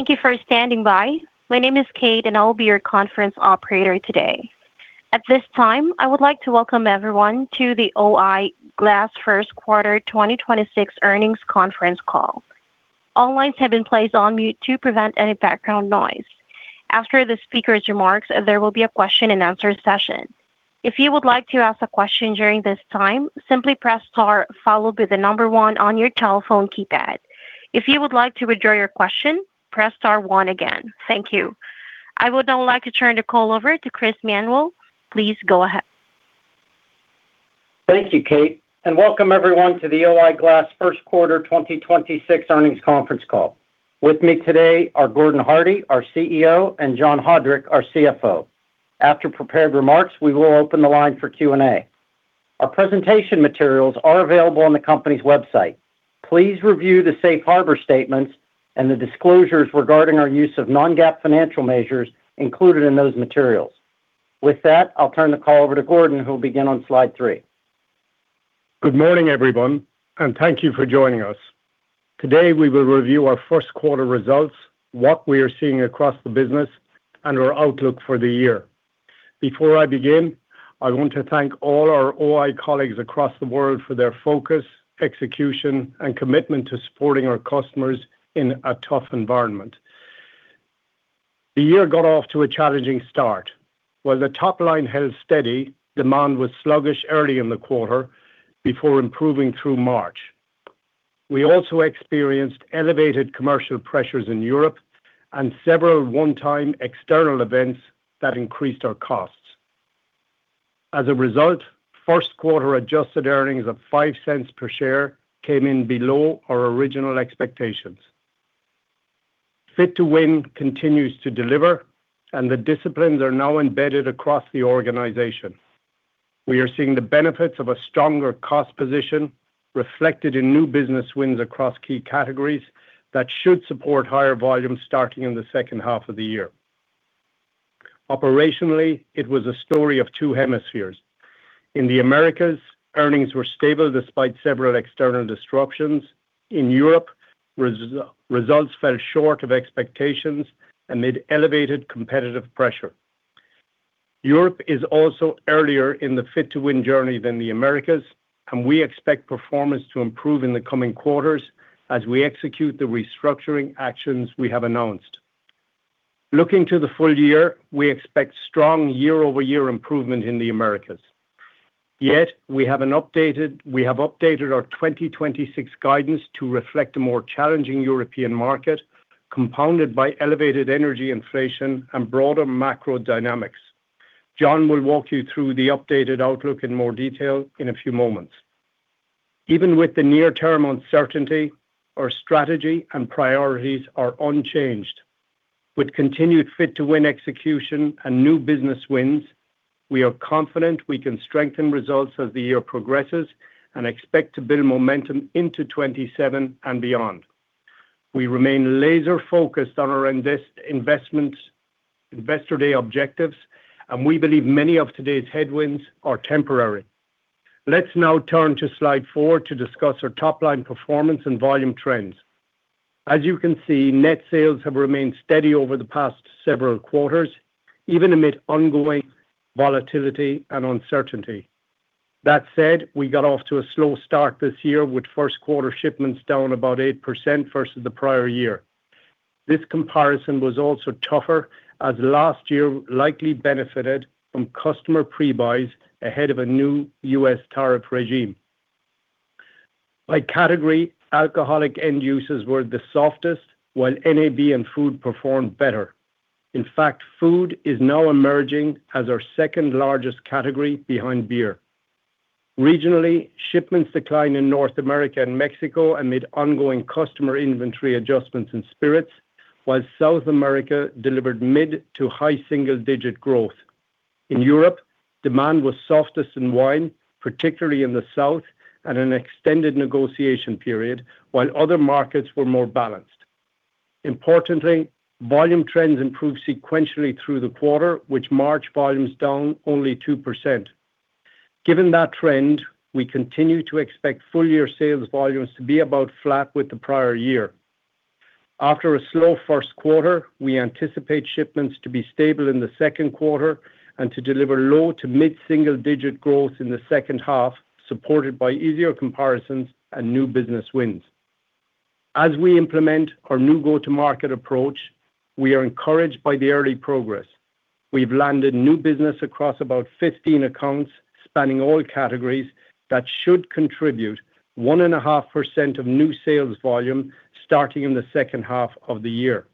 Thank you for standing by. My name is Kate, and I will be your conference operator today. At this time, I would like to welcome everyone to the O-I Glass first quarter 2026 earnings conference call. All lines have been placed on mute to prevent any background noise. After the speaker's remarks, there will be a question and answer session. If you would like to ask a question during this time, simply press star followed by the number one on your telephone keypad. If you would like to withdraw your question, press star one again. Thank you. I would now like to turn the call over to Chris Manuel. Please go ahead. Thank you, Kate. Welcome everyone to the O-I Glass first quarter 2026 earnings conference call. With me today are Gordon Hardie, our CEO, and John Haudrich, our CFO. After prepared remarks, we will open the line for Q&A. Our presentation materials are available on the company's website. Please review the safe harbor statements and the disclosures regarding our use of non-GAAP financial measures included in those materials. With that, I'll turn the call over to Gordon, who will begin on slide three. Good morning, everyone, and thank you for joining us. Today, we will review our first quarter results, what we are seeing across the business and our outlook for the year. Before I begin, I want to thank all our O-I colleagues across the world for their focus, execution, and commitment to supporting our customers in a tough environment. The year got off to a challenging start. While the top line held steady, demand was sluggish early in the quarter before improving through March. We also experienced elevated commercial pressures in Europe and several one-time external events that increased our costs. As a result, first quarter adjusted earnings of $0.05 per share came in below our original expectations. Fit to Win continues to deliver, and the disciplines are now embedded across the organization. We are seeing the benefits of a stronger cost position reflected in new business wins across key categories that should support higher volumes starting in the second half of the year. Operationally, it was a story of two hemispheres. In the Americas, earnings were stable despite several external disruptions. In Europe, results fell short of expectations amid elevated competitive pressure. Europe is also earlier in the Fit to Win journey than the Americas, and we expect performance to improve in the coming quarters as we execute the restructuring actions we have announced. Looking to the full year, we expect strong year-over-year improvement in the Americas. We have updated our 2026 guidance to reflect a more challenging European market, compounded by elevated energy inflation and broader macro dynamics. John will walk you through the updated outlook in more detail in a few moments. Even with the near term uncertainty, our strategy and priorities are unchanged. With continued Fit to Win execution and new business wins, we are confident we can strengthen results as the year progresses and expect to build momentum into 2027 and beyond. We remain laser-focused on our Investor Day objectives, and we believe many of today's headwinds are temporary. Let's now turn to slide four to discuss our top-line performance and volume trends. As you can see, net sales have remained steady over the past several quarters, even amid ongoing volatility and uncertainty. That said, we got off to a slow start this year with first quarter shipments down about 8% versus the prior year. This comparison was also tougher as last year likely benefited from customer pre-buys ahead of a new U.S. tariff regime. By category, alcoholic end uses were the softest, while NAB and food performed better. In fact, food is now emerging as our second-largest category behind beer. Regionally, shipments declined in North America and Mexico amid ongoing customer inventory adjustments in spirits, while South America delivered mid to high single-digit growth. In Europe, demand was softest in wine, particularly in the South and an extended negotiation period, while other markets were more balanced. Importantly, volume trends improved sequentially through the quarter, which March volume is down only 2%. Given that trend, we continue to expect full year sales volumes to be about flat with the prior year. After a slow first quarter, we anticipate shipments to be stable in the second quarter and to deliver low to mid single-digit growth in the second half, supported by easier comparisons and new business wins. As we implement our new go-to-market approach, we are encouraged by the early progress. We've landed new business across about 15 accounts spanning all categories that should contribute 1.5% of new sales volume starting in the second half of the year.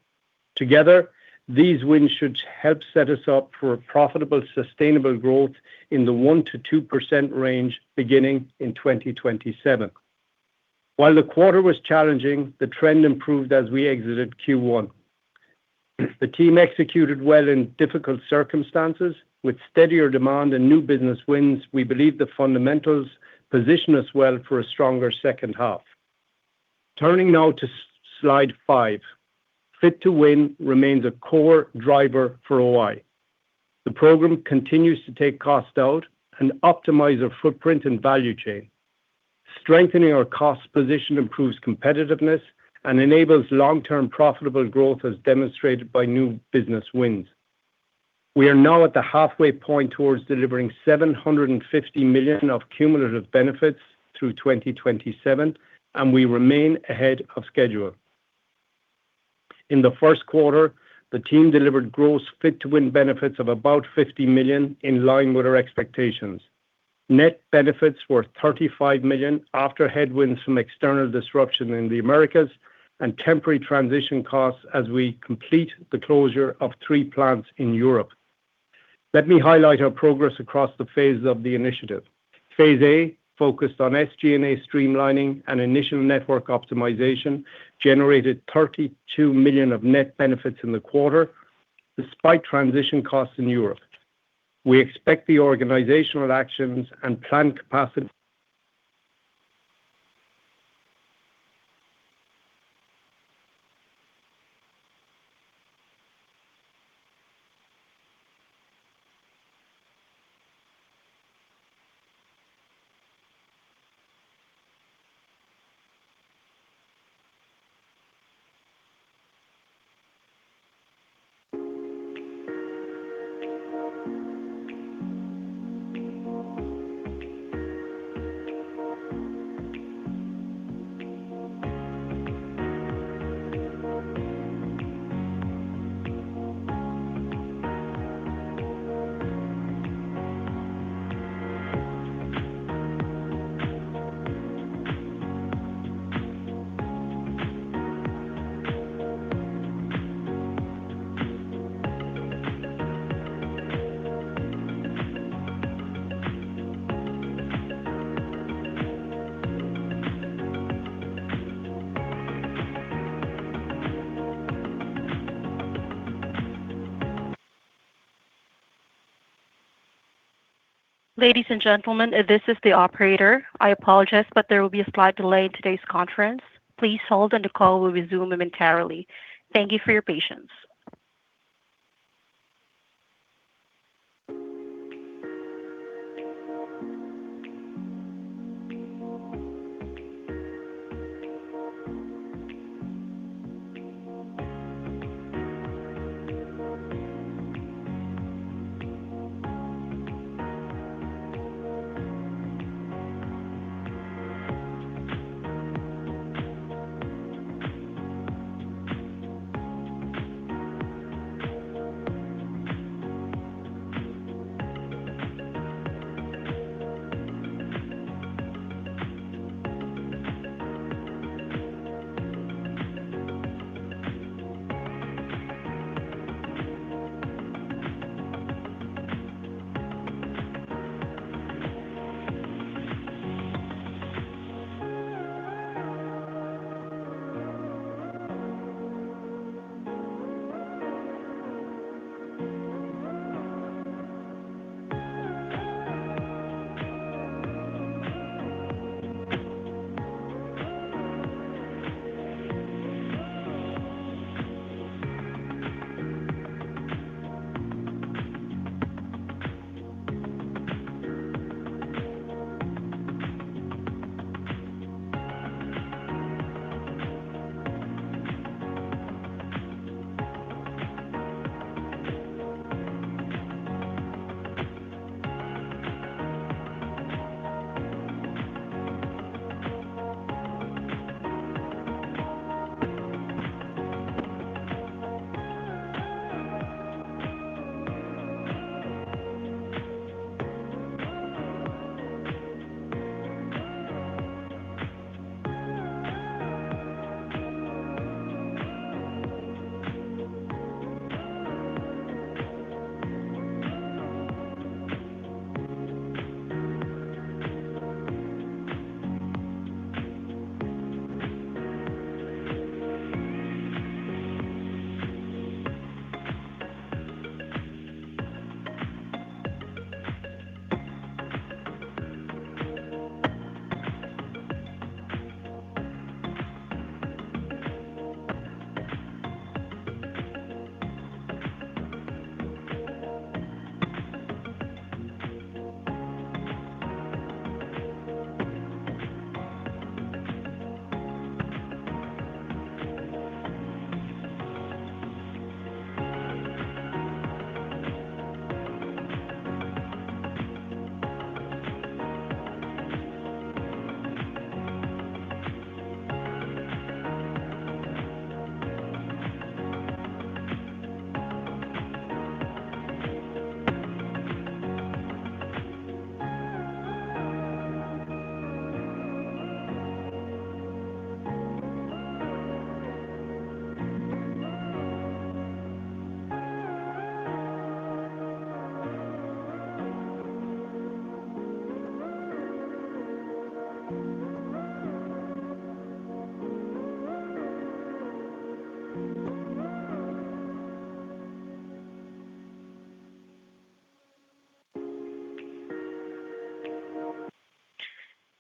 Together, these wins should help set us up for a profitable, sustainable growth in the 1%-2% range beginning in 2027. While the quarter was challenging, the trend improved as we exited Q1. The team executed well in difficult circumstances. With steadier demand and new business wins, we believe the fundamentals position us well for a stronger second half. Turning now to slide five. Fit to Win remains a core driver for O-I. The program continues to take cost out and optimize our footprint and value chain. Strengthening our cost position improves competitiveness and enables long-term profitable growth as demonstrated by new business wins. We are now at the halfway point towards delivering $750 million of cumulative benefits through 2027, and we remain ahead of schedule. In the first quarter, the team delivered gross Fit to Win benefits of about $50 million in line with our expectations. Net benefits were $35 million after headwinds from external disruption in the Americas and temporary transition costs as we complete the closure of three plants in Europe. Let me highlight our progress across the phases of the initiative. Phase A, focused on SG&A streamlining and initial network optimization, generated $32 million of net benefits in the quarter despite transition costs in Europe. We expect the organizational actions and plant capacity- Ladies and gentlemen, this is the operator. I apologize, but there will be a slight delay in today's conference. Please hold and the call will resume momentarily. Thank you for your patience.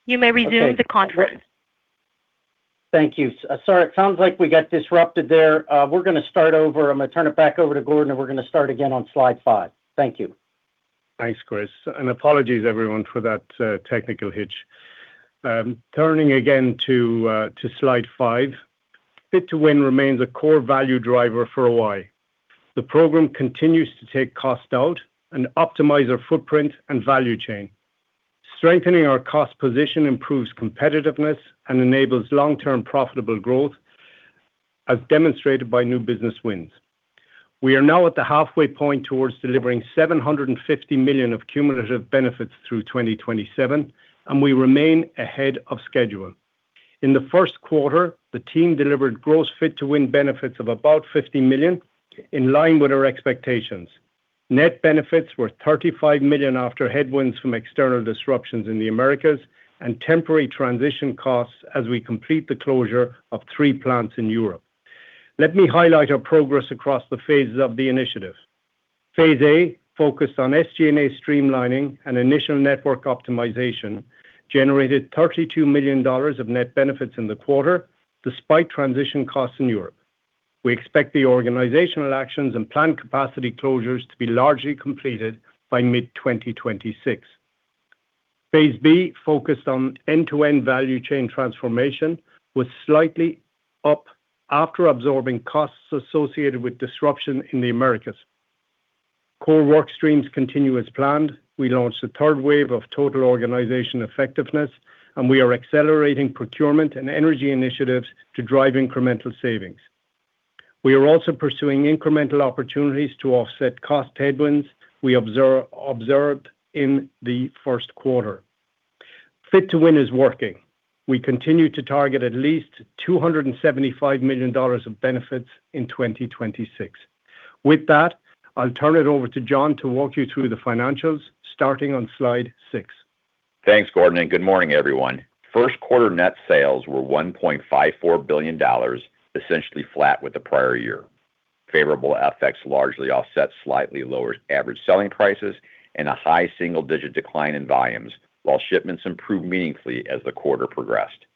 You may resume the conference. Thank you. Sorry, it sounds like we got disrupted there. We're going to start over. I'm going to turn it back over to Gordon, and we're going to start again on slide five. Thank you. Thanks, Chris. Apologies everyone for that technical hitch. Turning again to slide five. Fit to Win remains a core value driver for O-I. The program continues to take cost out and optimize our footprint and value chain. Strengthening our cost position improves competitiveness and enables long-term profitable growth, as demonstrated by new business wins. We are now at the halfway point towards delivering $750 million of cumulative benefits through 2027. We remain ahead of schedule. In the 1st quarter, the team delivered gross Fit to Win benefits of about $50 million, in line with our expectations. Net benefits were $35 million after headwinds from external disruptions in the Americas and temporary transition costs as we complete the closure of three plants in Europe. Let me highlight our progress across the phases of the initiative. Phase A focused on SG&A streamlining and initial network optimization, generated $32 million of net benefits in the quarter despite transition costs in Europe. We expect the organizational actions and plant capacity closures to be largely completed by mid-2026. Phase B focused on end-to-end value chain transformation, was slightly up after absorbing costs associated with disruption in the Americas. Core work streams continue as planned. We launched the third wave of Total Organization Effectiveness, and we are accelerating procurement and energy initiatives to drive incremental savings. We are also pursuing incremental opportunities to offset cost headwinds we observed in the first quarter. Fit to Win is working. We continue to target at least $275 million of benefits in 2026. With that, I'll turn it over to John to walk you through the financials, starting on slide six. Thanks, Gordon. Good morning, everyone. First quarter net sales were $1.54 billion, essentially flat with the prior year. Favorable FX largely offset slightly lower average selling prices and a high single-digit decline in volumes, while shipments improved meaningfully as the quarter progressed.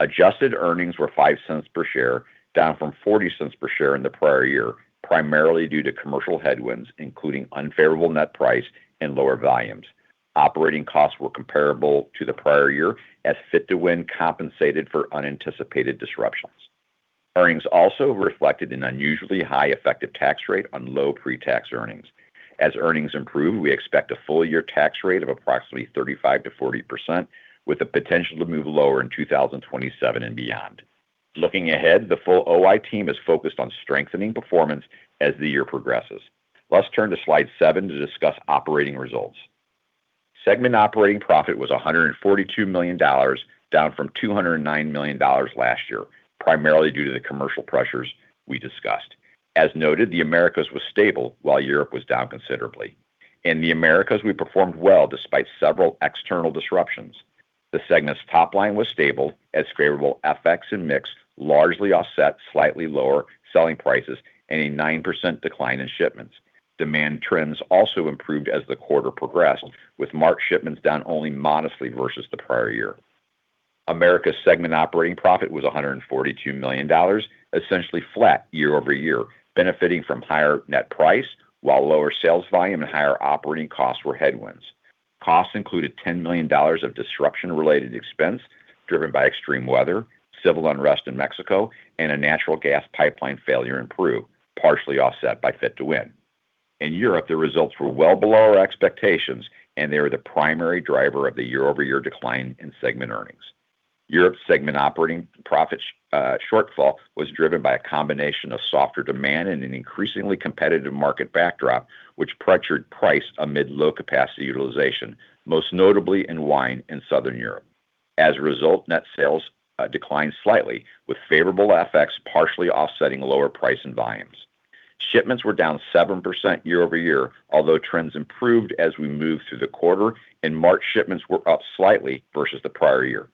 Adjusted earnings were $0.05 per share, down from $0.40 per share in the prior year, primarily due to commercial headwinds, including unfavorable net price and lower volumes. Operating costs were comparable to the prior year as Fit to Win compensated for unanticipated disruptions. Earnings also reflected an unusually high effective tax rate on low pre-tax earnings. As earnings improve, we expect a full year tax rate of approximately 35%-40%, with the potential to move lower in 2027 and beyond. Looking ahead, the full O-I team is focused on strengthening performance as the year progresses. Let's turn to slide seven to discuss operating results. Segment operating profit was $142 million, down from $209 million last year, primarily due to the commercial pressures we discussed. As noted, the Americas was stable while Europe was down considerably. In the Americas, we performed well despite several external disruptions. The segment's top line was stable as favorable FX and mix largely offset slightly lower selling prices and a 9% decline in shipments. Demand trends also improved as the quarter progressed, with March shipments down only modestly versus the prior year. Americas segment operating profit was $142 million, essentially flat year-over-year, benefiting from higher net price while lower sales volume and higher operating costs were headwinds. Costs included $10 million of disruption-related expense driven by extreme weather, civil unrest in Mexico, and a natural gas pipeline failure in Peru, partially offset by Fit to Win. In Europe, the results were well below our expectations, and they are the primary driver of the year-over-year decline in segment earnings. Europe segment operating profit shortfall was driven by a combination of softer demand and an increasingly competitive market backdrop, which pressured price amid low capacity utilization, most notably in wine in Southern Europe. As a result, net sales declined slightly, with favorable FX partially offsetting lower price and volumes. Shipments were down 7% year-over-year, although trends improved as we moved through the quarter, and March shipments were up slightly versus the prior year.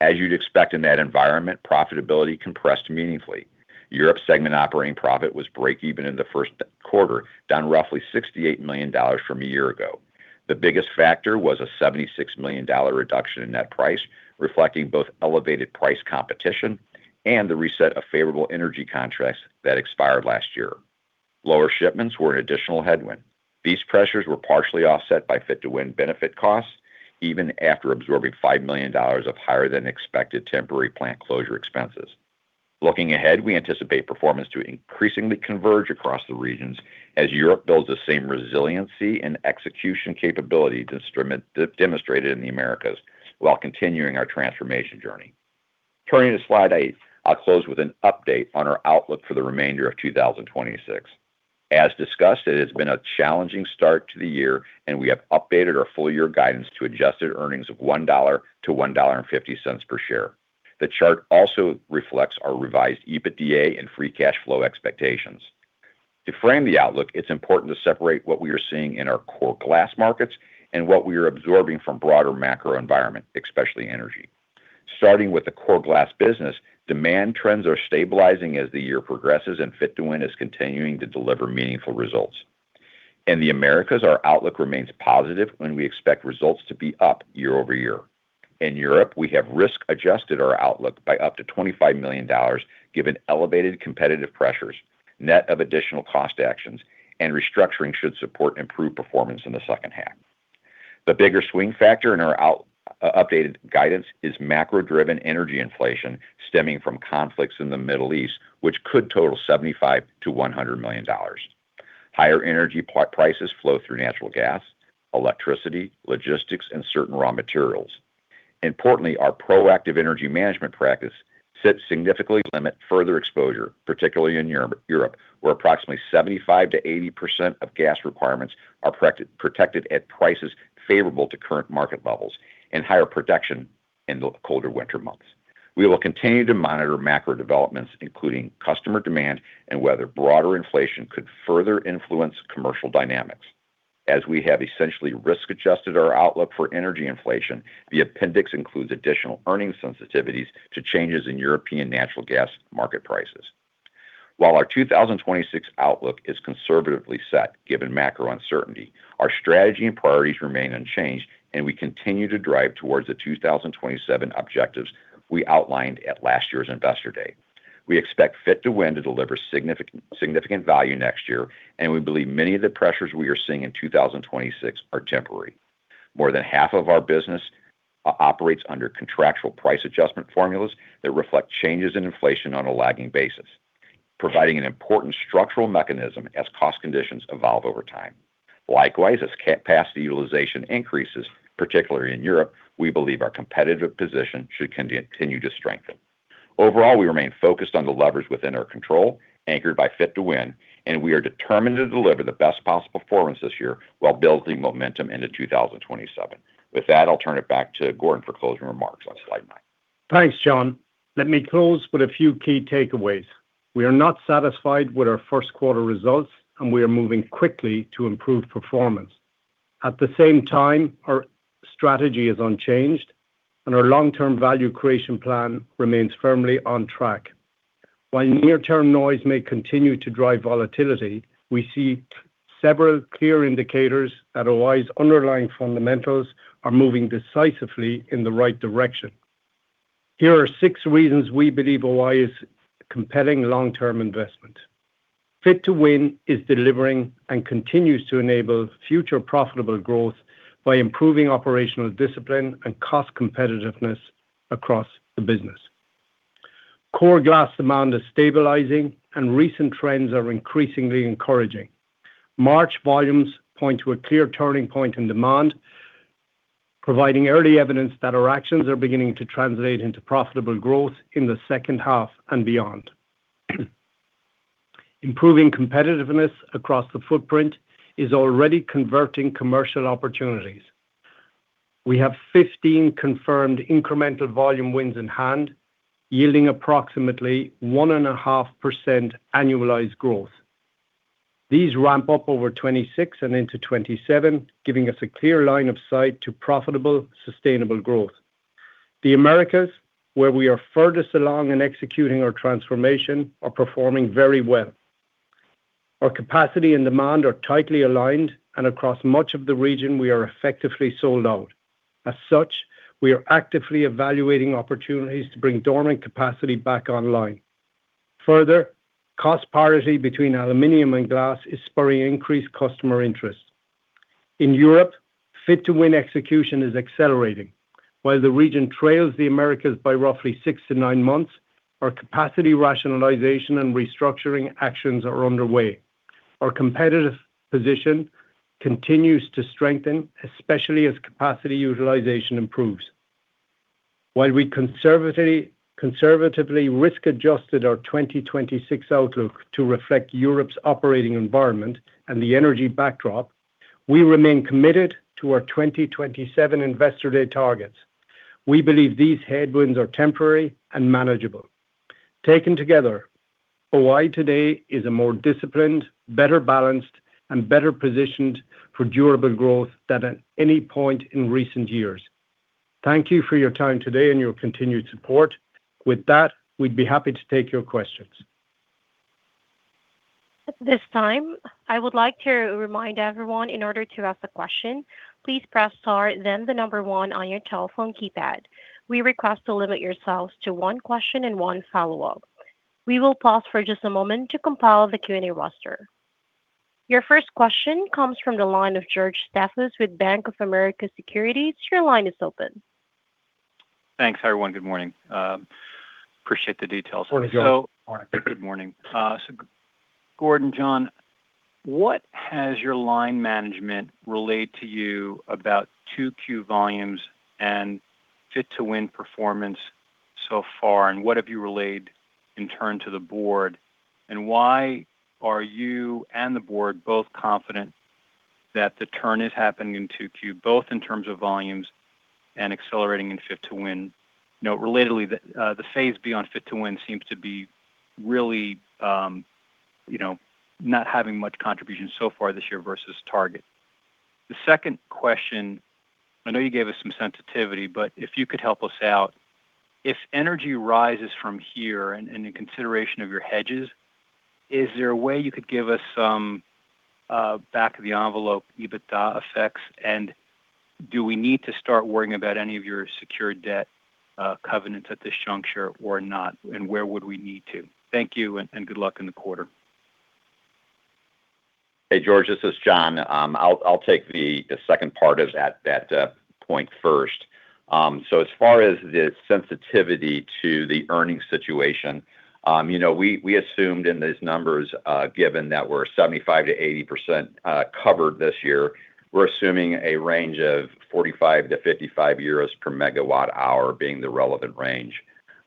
As you'd expect in that environment, profitability compressed meaningfully. Europe segment operating profit was breakeven in the first quarter, down roughly $68 million from a year ago. The biggest factor was a $76 million reduction in net price, reflecting both elevated price competition and the reset of favorable energy contracts that expired last year. Lower shipments were an additional headwind. These pressures were partially offset by Fit to Win benefit costs, even after absorbing $5 million of higher than expected temporary plant closure expenses. Looking ahead, we anticipate performance to increasingly converge across the regions as Europe builds the same resiliency and execution capability demonstrated in the Americas while continuing our transformation journey. Turning to slide eight, I'll close with an update on our outlook for the remainder of 2026. As discussed, it has been a challenging start to the year, and we have updated our full year guidance to adjusted earnings of $1.00-$1.50 per share. The chart also reflects our revised EBITDA and free cash flow expectations. To frame the outlook, it is important to separate what we are seeing in our core glass markets and what we are absorbing from broader macro environment, especially energy. Starting with the core glass business, demand trends are stabilizing as the year progresses, and Fit to Win is continuing to deliver meaningful results. In the Americas, our outlook remains positive, and we expect results to be up year over year. In Europe, we have risk-adjusted our outlook by up to $25 million given elevated competitive pressures, net of additional cost actions and restructuring should support improved performance in the second half. The bigger swing factor in our updated guidance is macro-driven energy inflation stemming from conflicts in the Middle East, which could total $75 million-$100 million. Higher energy prices flow through natural gas, electricity, logistics, and certain raw materials. Importantly, our proactive energy management practice should significantly limit further exposure, particularly in Europe, where approximately 75%-80% of gas requirements are protected at prices favorable to current market levels and higher protection in the colder winter months. We will continue to monitor macro developments, including customer demand and whether broader inflation could further influence commercial dynamics. As we have essentially risk-adjusted our outlook for energy inflation, the appendix includes additional earning sensitivities to changes in European natural gas market prices. While our 2026 outlook is conservatively set given macro uncertainty, our strategy and priorities remain unchanged, and we continue to drive towards the 2027 objectives we outlined at last year's Investor Day. We expect Fit to Win to deliver significant value next year, and we believe many of the pressures we are seeing in 2026 are temporary. More than half of our business operates under contractual Price Adjustment Formulas that reflect changes in inflation on a lagging basis, providing an important structural mechanism as cost conditions evolve over time. Likewise, as capacity utilization increases, particularly in Europe, we believe our competitive position should continue to strengthen. Overall, we remain focused on the levers within our control, anchored by Fit to Win, and we are determined to deliver the best possible performance this year while building momentum into 2027. With that, I'll turn it back to Gordon for closing remarks on slide nine. Thanks, John. Let me close with a few key takeaways. We are not satisfied with our first quarter results, and we are moving quickly to improve performance. At the same time, our strategy is unchanged and our long-term value creation plan remains firmly on track. While near-term noise may continue to drive volatility, we see several clear indicators that O-I's underlying fundamentals are moving decisively in the right direction. Here are six reasons we believe O-I is a compelling long-term investment. Fit to Win is delivering and continues to enable future profitable growth by improving operational discipline and cost competitiveness across the business. Core glass demand is stabilizing, and recent trends are increasingly encouraging. March volumes point to a clear turning point in demand, providing early evidence that our actions are beginning to translate into profitable growth in the second half and beyond. Improving competitiveness across the footprint is already converting commercial opportunities. We have 15 confirmed incremental volume wins in hand, yielding approximately 1.5% annualized growth. These ramp up over 2026 and into 2027, giving us a clear line of sight to profitable, sustainable growth. The Americas, where we are furthest along in executing our transformation, are performing very well. Our capacity and demand are tightly aligned, and across much of the region, we are effectively sold out. As such, we are actively evaluating opportunities to bring dormant capacity back online. Further, cost parity between aluminum and glass is spurring increased customer interest. In Europe, Fit to Win execution is accelerating. While the region trails the Americas by roughly six to nine months, our capacity rationalization and restructuring actions are underway. Our competitive position continues to strengthen, especially as capacity utilization improves. While we conservatively risk-adjusted our 2026 outlook to reflect Europe's operating environment and the energy backdrop, we remain committed to our 2027 Investor Day targets. We believe these headwinds are temporary and manageable. Taken together, O-I today is a more disciplined, better balanced, and better positioned for durable growth than at any point in recent years. Thank you for your time today and your continued support. With that, we'd be happy to take your questions. At this time, I would like to remind everyone in order to ask a question, please press star then the number one on your telephone keypad. We request to limit yourselves to one question and one follow-up. We will pause for just a moment to compile the Q&A roster. Your first question comes from the line of George Staphos with Bank of America Securities. Your line is open. Thanks, everyone. Good morning. Appreciate the details. Good morning. Good morning. Gordon, John, what has your line management relayed to you about 2Q volumes and Fit to Win performance so far? What have you relayed in turn to the board? Why are you and the board both confident that the turn is happening in 2Q, both in terms of volumes and accelerating in Fit to Win? You know, relatedly, the phase beyond Fit to Win seems to be really, you know, not having much contribution so far this year versus target. The second question, I know you gave us some sensitivity, but if you could help us out. If energy rises from here and in consideration of your hedges, is there a way you could give us some back of the envelope EBITDA effects? Do we need to start worrying about any of your secured debt, covenants at this juncture or not? Where would we need to? Thank you, and good luck in the quarter. Hey, George, this is John. I'll take the second part of that point first. As far as the sensitivity to the earnings situation, you know, we assumed in these numbers, given that we're 75%-80% covered this year, we're assuming a range of 45-55 euros per MW hour being the relevant range.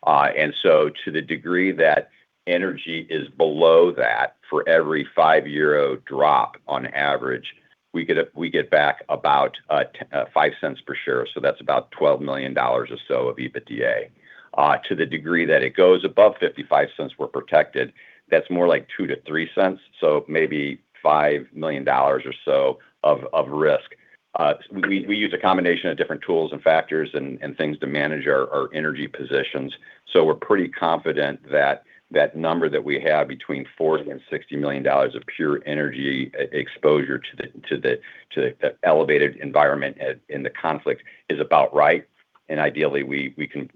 To the degree that energy is below that, for every 5 euro drop on average, we get back about $0.05 per share, so that's about $12 million or so of EBITDA. To the degree that it goes above $0.55, we're protected. That's more like $0.02-$0.03, so maybe $5 million or so of risk. We use a combination of different tools and factors and things to manage our energy positions, so we're pretty confident that that number that we have between $40 million-$60 million of pure energy exposure to the elevated environment at, in the conflict is about right, and ideally we can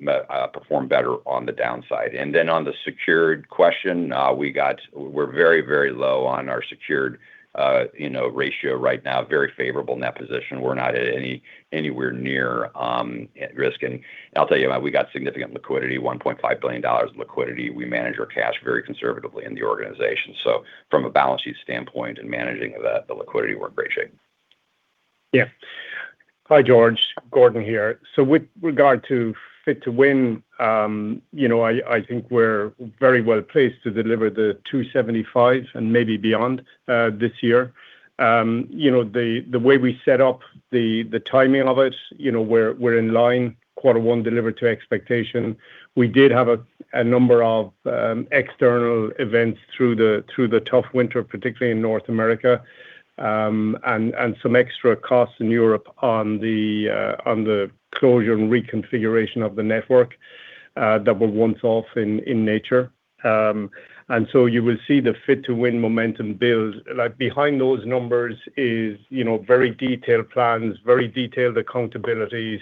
perform better on the downside. On the secured question, we're very low on our secured, you know, ratio right now. Very favorable in that position. We're not at anywhere near risk. I'll tell you, we got significant liquidity, $1.5 billion liquidity. We manage our cash very conservatively in the organization. From a balance sheet standpoint and managing the liquidity, we're in great shape. Yeah. Hi, George. Gordon here. With regard to Fit to Win, you know, I think we're very well placed to deliver the $275 and maybe beyond this year. You know, the way we set up the timing of it, you know, we're in line. Quarter one delivered to expectation. We did have a number of external events through the tough winter, particularly in North America, and some extra costs in Europe on the closure and reconfiguration of the network that were one-off in nature. You will see the Fit to Win momentum build. Like, behind those numbers is, you know, very detailed plans, very detailed accountabilities,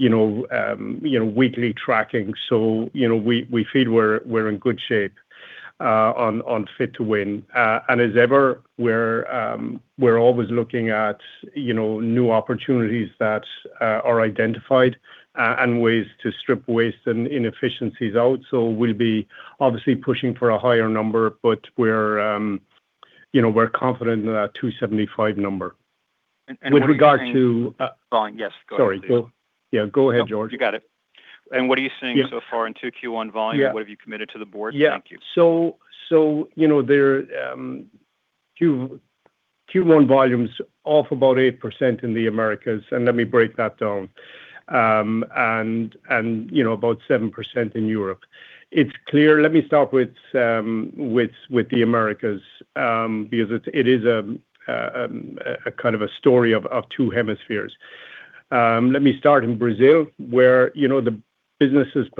you know, weekly tracking. You know, we feel we're in good shape on Fit to Win. As ever, we're always looking at, you know, new opportunities that are identified and ways to strip waste and inefficiencies out. We'll be obviously pushing for a higher number, but we're, you know, we're confident in that 275 number. What are you seeing? With regard to- Volume, yes. Go ahead, please. Sorry. Yeah, go ahead, George. No, you got it. Yeah. What are you seeing so far into Q1 volume? Yeah. What have you committed to the board? Yeah. Thank you. You know, there, Q1 volume's off about 8% in the Americas. Let me break that down. You know, about 7% in Europe. Let me start with the Americas, because it's, it is a kind of a story of two hemispheres. Let me start in Brazil, where, you know, the business is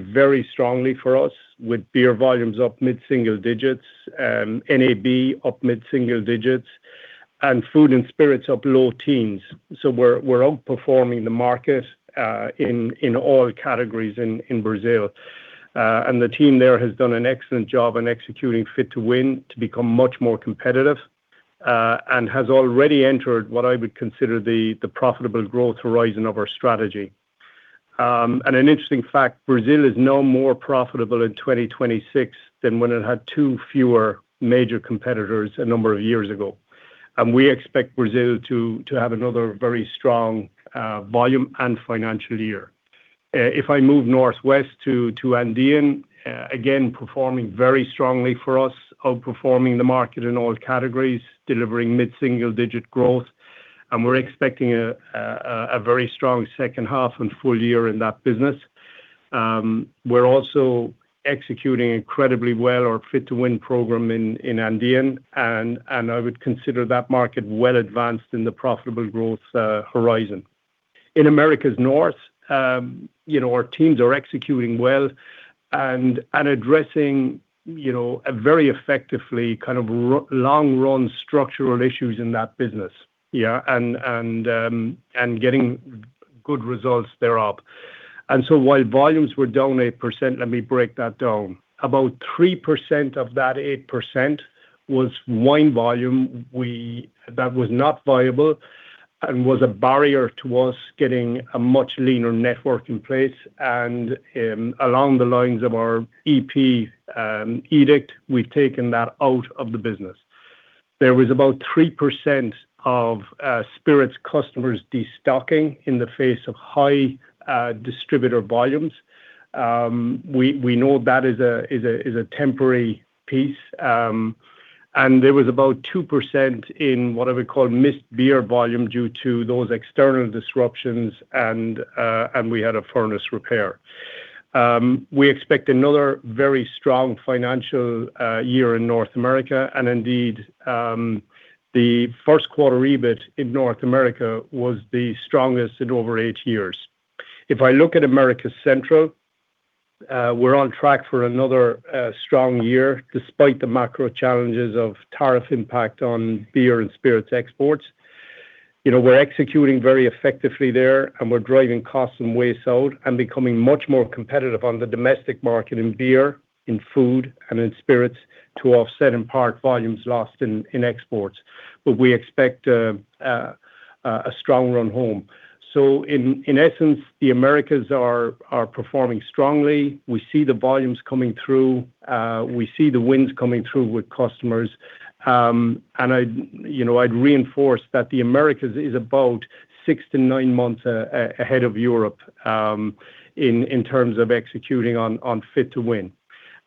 performing very strongly for us with beer volumes up mid-single digits, NAB up mid-single digits, and food and spirits up low teens. We're outperforming the market in all categories in Brazil. The team there has done an excellent job in executing Fit to Win to become much more competitive, has already entered what I would consider the profitable growth horizon of our strategy. An interesting fact, Brazil is no more profitable in 2026 than when it had two fewer major competitors a number of years ago. We expect Brazil to have another very strong volume and financial year. If I move northwest to Andean, again, performing very strongly for us, outperforming the market in all categories, delivering mid-single-digit growth, and we're expecting a very strong second half and full year in that business. We're also executing incredibly well our Fit to Win program in Andean, and I would consider that market well advanced in the profitable growth horizon. In Americas North, you know, our teams are executing well and addressing, you know, very effectively kind of long-run structural issues in that business. Getting good results thereof. While volumes were down 8%, let me break that down. About 3% of that 8% was wine volume that was not viable and was a barrier to us getting a much leaner network in place. Along the lines of our EP edict, we've taken that out of the business. There was about 3% of spirits customers destocking in the face of high distributor volumes. We know that is a temporary piece. There was about 2% in what I would call missed beer volume due to those external disruptions and we had a furnace repair. We expect another very strong financial year in North America, and indeed, the first quarter EBIT in North America was the strongest in over eight years. If I look at Americas Central, we're on track for another strong year despite the macro challenges of tariff impact on beer and spirits exports. You know, we're executing very effectively there, and we're driving costs and waste out and becoming much more competitive on the domestic market in beer, in food, and in spirits to offset, in part, volumes lost in exports. We expect a strong run home. In essence, the Americas are performing strongly. We see the volumes coming through. We see the wins coming through with customers. And I'd, you know, I'd reinforce that the Americas is about six to nine months ahead of Europe in terms of executing on Fit to Win.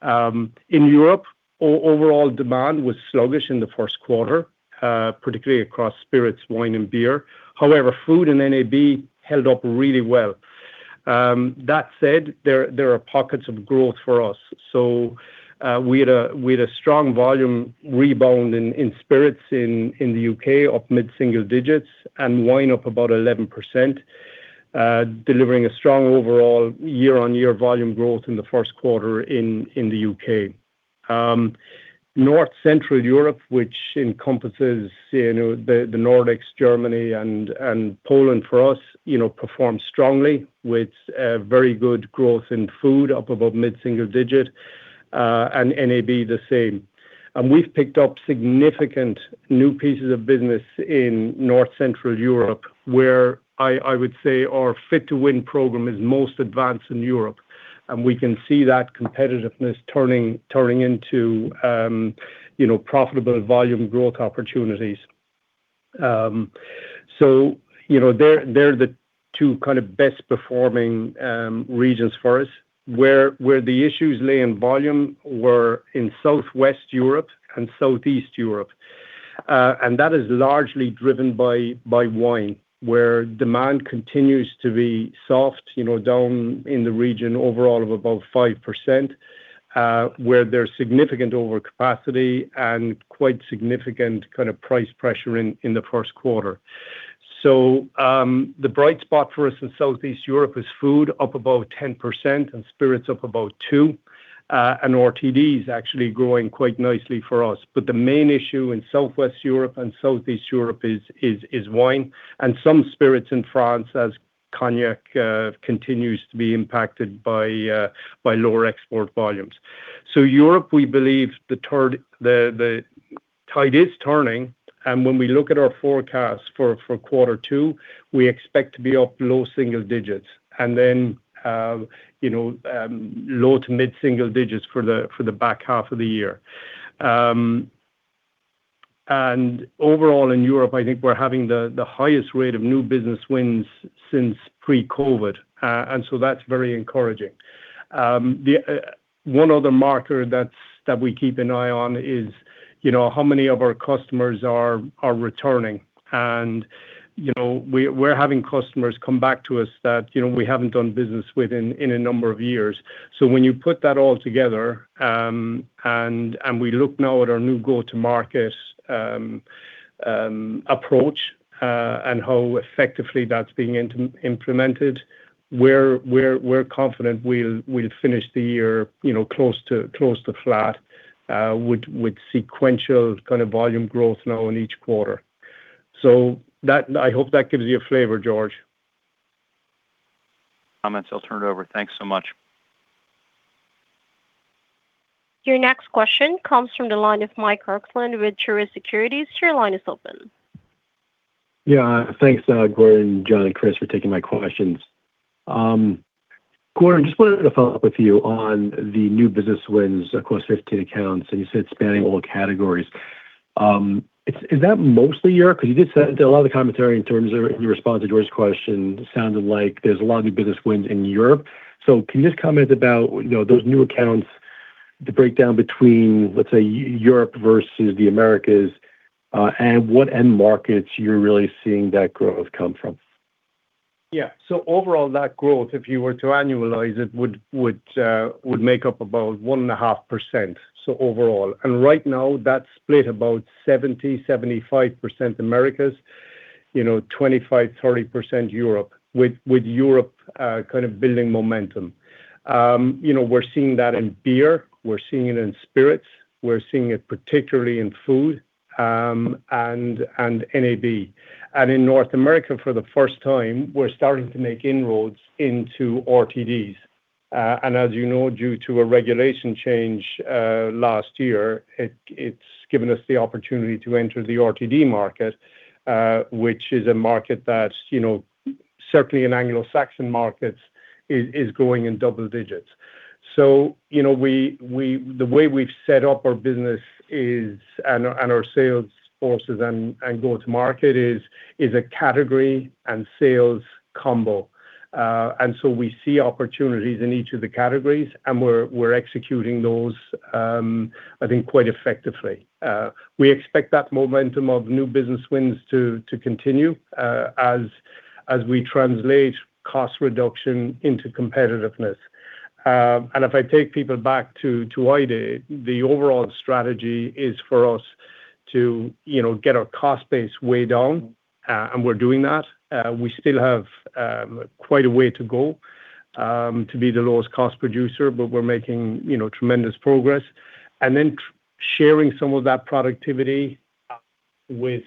In Europe, overall demand was sluggish in the first quarter, particularly across spirits, wine and beer. Food and NAB held up really well. That said, there are pockets of growth for us. We had a strong volume rebound in spirits in the U.K., up mid-single digits, and wine up about 11%, delivering a strong overall year-on-year volume growth in the first quarter in the U.K. North Central Europe, which encompasses, you know, the Nordics, Germany, and Poland for us, you know, performed strongly with very good growth in food, up above mid-single digit, and NAB the same. We've picked up significant new pieces of business in North Central Europe, where I would say our Fit to Win program is most advanced in Europe, and we can see that competitiveness turning into, you know, profitable volume growth opportunities. You know, they're the two kind of best performing regions for us. Where the issues lay in volume were in Southwest Europe and Southeast Europe. That is largely driven by wine, where demand continues to be soft, you know, down in the region overall of about 5%, where there's significant overcapacity and quite significant kind of price pressure in the first quarter. The bright spot for us in Southeast Europe is food, up about 10%, and spirits up about 2%. RTDs actually growing quite nicely for us. The main issue in Southwest Europe and Southeast Europe is wine, and some spirits in France, as Cognac continues to be impacted by lower export volumes. Europe, we believe the tide is turning. When we look at our forecast for quarter two, we expect to be up low single digits and then, you know, low to mid-single digits for the back half of the year. Overall in Europe, I think we're having the highest rate of new business wins since pre-COVID. That's very encouraging. The one other marker that we keep an eye on is, you know, how many of our customers are returning. You know, we're having customers come back to us that, you know, we haven't done business with in a number of years. When you put that all together, and we look now at our new go-to-market approach, and how effectively that's being implemented, we're confident we'll finish the year, you know, close to flat, with sequential kind of volume growth now in each quarter. That, I hope that gives you a flavor, George. Comments. I'll turn it over. Thanks so much. Your next question comes from the line of Michael Roxland with Truist Securities. Your line is open. Yeah. Thanks, Gordon, John, and Chris, for taking my questions. Gordon, just wanted to follow up with you on the new business wins across your stated accounts, and you said spanning all categories. Is that mostly Europe? 'Cause you did say, a lot of the commentary in terms of your response to George Staphos question sounded like there's a lot of new business wins in Europe. Can you just comment about, you know, those new accounts, the breakdown between, let's say, Europe versus the Americas, and what end markets you're really seeing that growth come from? Yeah. Overall, that growth, if you were to annualize it, would make up about 1.5%, so overall. Right now, that's split about 70%-75% Americas, you know, 25%-30% Europe, with Europe kind of building momentum. You know, we're seeing that in beer. We're seeing it in spirits. We're seeing it particularly in food and NAB. In North America, for the first time, we're starting to make inroads into RTDs. As you know, due to a regulation change last year, it's given us the opportunity to enter the RTD market, which is a market that, you know, certainly in Anglo-Saxon markets, is growing in double digits. You know, we, the way we've set up our business is, and our sales forces and go to market is a category and sales combo. We see opportunities in each of the categories, and we're executing those, I think, quite effectively. We expect that momentum of new business wins to continue, As we translate cost reduction into competitiveness. If I take people back to Investor Day, the overall strategy is for us to, you know, get our cost base way down, and we're doing that. We still have quite a way to go to be the lowest cost producer, but we're making, you know, tremendous progress. Sharing some of that productivity with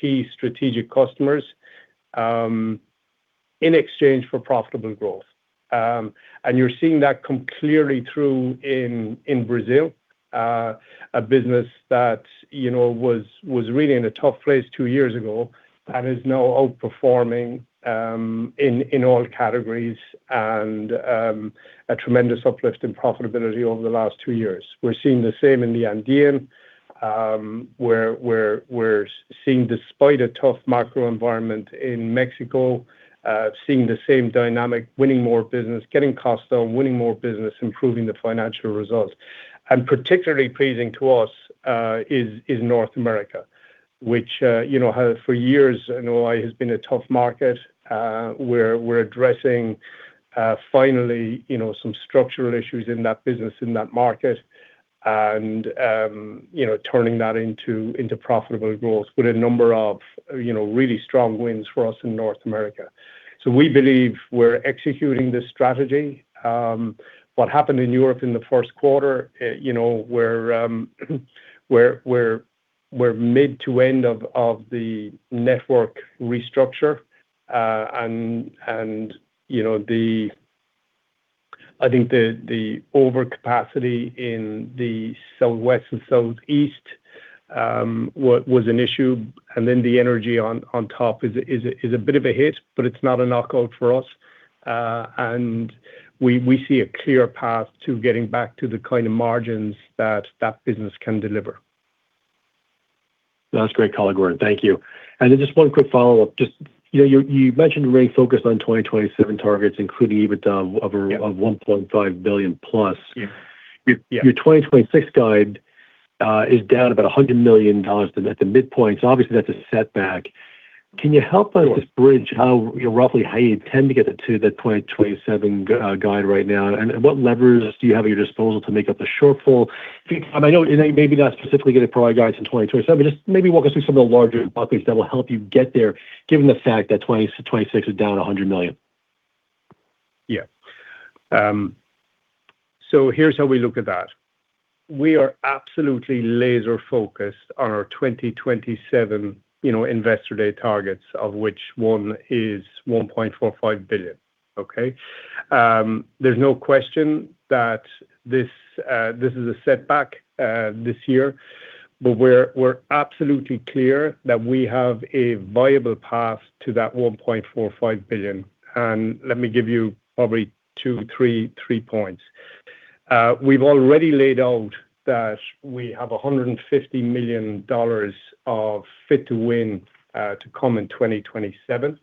key strategic customers in exchange for profitable growth. You're seeing that come clearly through in Brazil, a business that, you know, was really in a tough place two years ago and is now outperforming in all categories and a tremendous uplift in profitability over the last two years. We're seeing the same in the Andean, where we're seeing despite a tough macro environment in Mexico, seeing the same dynamic, winning more business, getting costs down, winning more business, improving the financial results. Particularly pleasing to us is North America, which, you know, has for years, I know has been a tough market, where we're addressing, finally, you know, some structural issues in that business, in that market and, you know, turning that into profitable growth with a number of, you know, really strong wins for us in North America. We believe we're executing this strategy. What happened in Europe in the first quarter, you know, we're mid to end of the network restructure. You know, I think the overcapacity in the Southwest and Southeast was an issue. Then the energy on top is a bit of a hit, but it's not a knockout for us. We see a clear path to getting back to the kind of margins that business can deliver. That's great, Gordon. Thank you. Just one quick follow-up. Just, you know, you mentioned remaining focused on 2027 targets, including EBITDA of $1.5 billion plus. Yeah. Yeah. Your 2026 guide is down about $100 million to the midpoint. Obviously that's a setback. Can you help us bridge how, you know, roughly how you tend to get to that 2027 guide right now? What levers do you have at your disposal to make up the shortfall? I know you may be not specifically going to provide guides in 2027, but just maybe walk us through some of the larger buckets that will help you get there, given the fact that 2026 is down $100 million. Here's how we look at that. We are absolutely laser focused on our 2027, you know, Investor Day targets of which one is $1.45 billion, okay? There's no question that this is a setback this year, but we're absolutely clear that we have a viable path to that $1.45 billion. Let me give you probably two, three points. We've already laid out that we have $150 million of Fit to Win to come in 2027.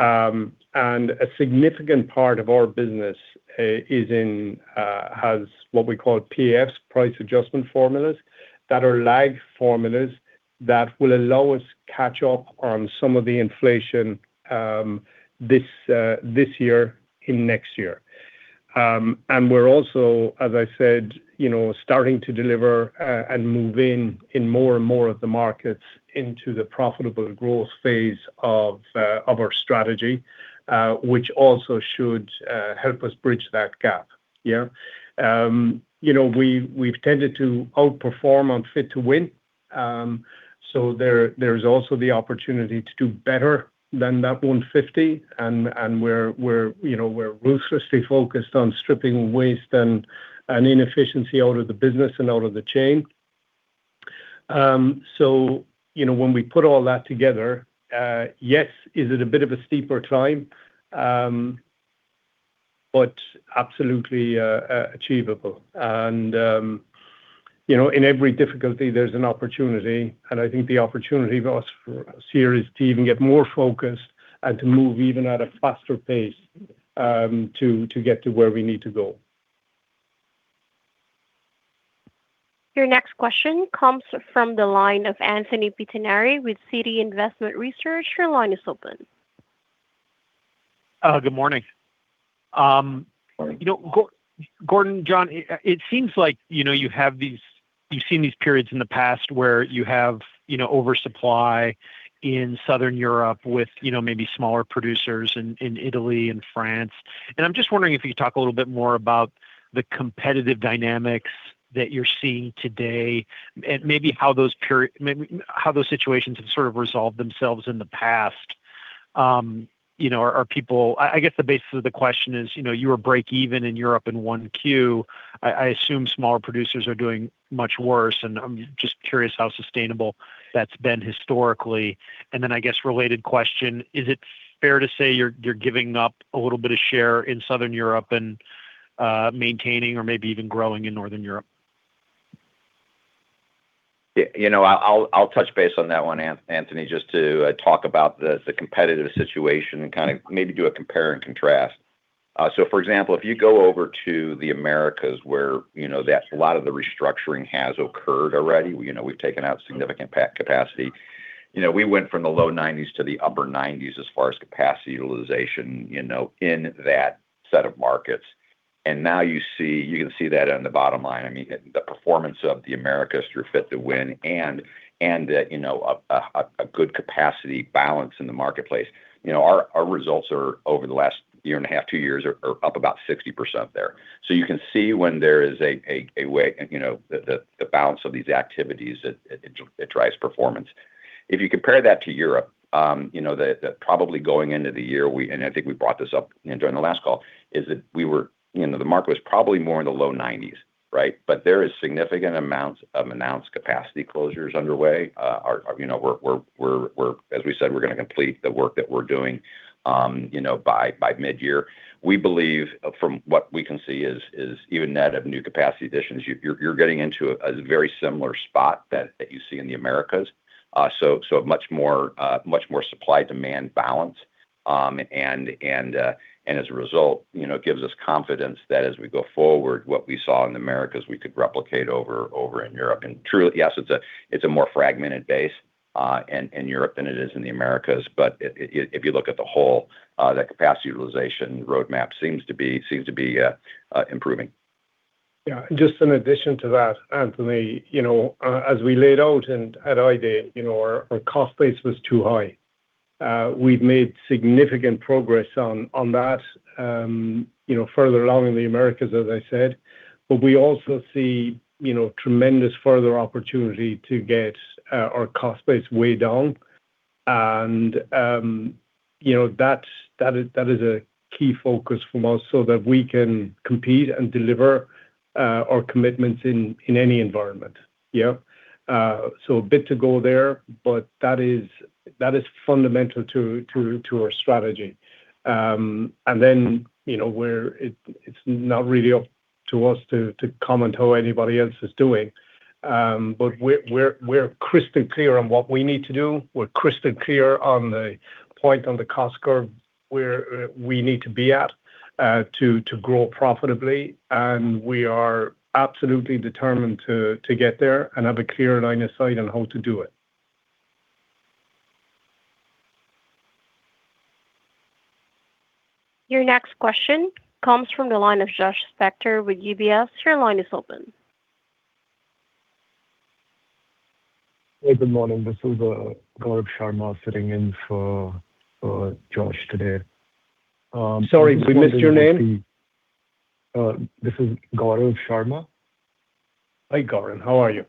A significant part of our business is in, has what we call PF, Price Adjustment Formulas, that are lag formulas that will allow us catch up on some of the inflation this year and next year. We're also, as I said, you know, starting to deliver and move in more and more of the markets into the profitable growth phase of our strategy, which also should help us bridge that gap. You know, we've tended to outperform on Fit to Win. There is also the opportunity to do better than that 150. We're, you know, ruthlessly focused on stripping waste and inefficiency out of the business and out of the chain. You know, when we put all that together, yes, is it a bit of a steeper climb? Absolutely achievable you know, in every difficulty there's an opportunity, and I think the opportunity for us here is to even get more focused and to move even at a faster pace, to get to where we need to go. Your next question comes from the line of Anthony Pettinari with Citi Research. Your line is open. Good morning. Morning. You know, Gordon, John, it seems like, you know, you have these, you've seen these periods in the past where you have, you know, oversupply in Southern Europe with, you know, maybe smaller producers in Italy and France. I'm just wondering if you could talk a little bit more about the competitive dynamics that you're seeing today and maybe how those situations have sort of resolved themselves in the past. You know, are people-- I guess the basis of the question is, you know, you were break even in Europe in 1Q. I assume smaller producers are doing much worse, and I'm just curious how sustainable that's been historically. I guess related question, is it fair to say you're giving up a little bit of share in Southern Europe and maintaining or maybe even growing in Northern Europe? Yeah, you know, I'll touch base on that one Anthony, just to talk about the competitive situation and kind of maybe do a compare and contrast. For example, if you go over to the Americas where, you know, that a lot of the restructuring has occurred already, you know, we've taken out significant capacity. You know, we went from the low 90s to the upper 90s as far as capacity utilization, you know, in that set of markets. Now you can see that in the bottom line. I mean, the performance of the Americas through Fit to Win and, you know, a good capacity balance in the marketplace. You know, our results over the last year and a half, two years are up about 60% there. You can see when there is a way, you know, the balance of these activities, it drives performance. If you compare that to Europe, you know, the probably going into the year, and I think we brought this up, you know, during the last call, is that we were, you know, the market was probably more in the low 90s. There is significant amounts of announced capacity closures underway. Our, you know, we're, as we said, we're gonna complete the work that we're doing, you know, by midyear. We believe from what we can see is even net of new capacity additions, you're getting into a very similar spot that you see in the Americas. A much more, much more supply-demand balance. As a result, you know, it gives us confidence that as we go forward, what we saw in the Americas, we could replicate over in Europe. Yes, it's a more fragmented base in Europe than it is in the Americas. If you look at the whole, that capacity utilization roadmap seems to be improving. Yeah. Just in addition to that, Anthony, you know, as we laid out and at ID, you know, our cost base was too high. We've made significant progress on that, you know, further along in the Americas, as I said. We also see, you know, tremendous further opportunity to get our cost base way down. You know, that is a key focus for us so that we can compete and deliver our commitments in any environment. Yeah. A bit to go there, but that is fundamental to our strategy. You know, it's not really up to us to comment how anybody else is doing. We're crystal clear on what we need to do. We're crystal clear on the point on the cost curve where, we need to be at, to grow profitably. We are absolutely determined to get there and have a clear line of sight on how to do it. Your next question comes from the line of Joshua Spector with UBS. Your line is open. Hey, good morning. This is Gaurav Sharma sitting in for Josh today. Sorry, we missed your name. This is Gaurav Sharma. Hi, Gaurav. How are you?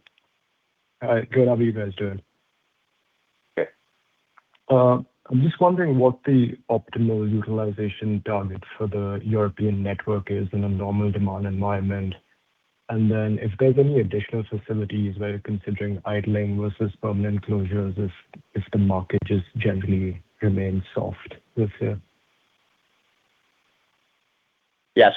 Good. How are you guys doing? Okay. I'm just wondering what the optimal utilization target for the European network is in a normal demand environment. Then if there's any additional facilities where you're considering idling versus permanent closures if the market just generally remains soft this year? Yeah.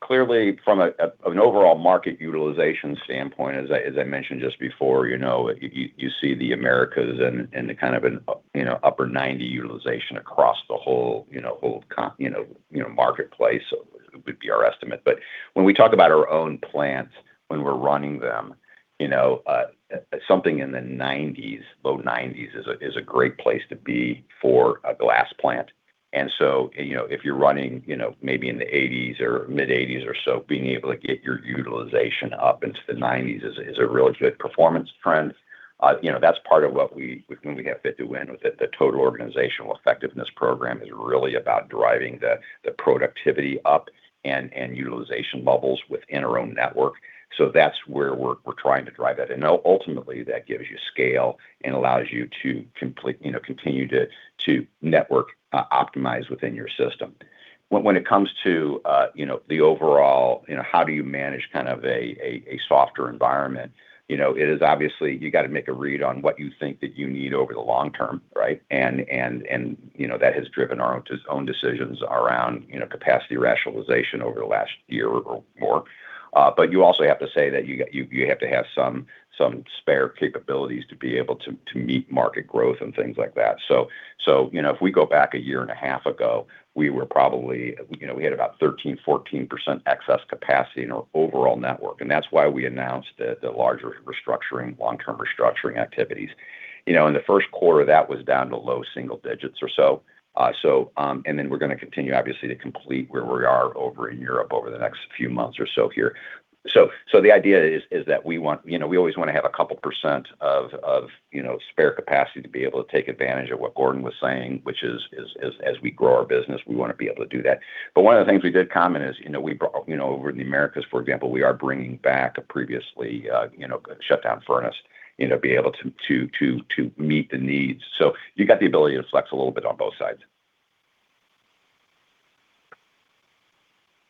Clearly from an overall market utilization standpoint, as I mentioned just before, you know, you see the Americas and the kind of an, you know, upper 90% utilization across the whole, you know, marketplace would be our estimate. When we talk about our own plants, when we're running them, you know, something in the 90s, low 90s is a great place to be for a glass plant. You know, if you're running, you know, maybe in the 80s or mid-80s or so, being able to get your utilization up into the 90s is a really good performance trend. You know, that's part of what we, when we have Fit to Win with the Total Organization Effectiveness program is really about driving the productivity up and utilization levels within our own network. That's where we're trying to drive that. Ultimately, that gives you scale and allows you to continue to network optimize within your system. When it comes to, you know, the overall, you know, how do you manage kind of a, a softer environment? You know, it is obviously, you got to make a read on what you think that you need over the long term, right? You know, that has driven our own decisions around, you know, capacity rationalization over the last year or more. You also have to say that you have to have some spare capabilities to be able to meet market growth and things like that. You know, if we go back a year and a half ago, we were probably, you know, we had about 13%, 14% excess capacity in our overall network, and that's why we announced the larger restructuring, long-term restructuring activities. You know, in the first quarter, that was down to low single digits or so. We're going to continue, obviously, to complete where we are over in Europe over the next few months or so here. The idea is that, you know, we always wanna have a couple percent of, you know, spare capacity to be able to take advantage of what Gordon Hardie was saying, which is, as we grow our business, we wanna be able to do that. One of the things we did comment is, you know, over in the Americas, for example, we are bringing back a previously, you know, shut down furnace, you know, be able to meet the needs. You got the ability to flex a little bit on both sides.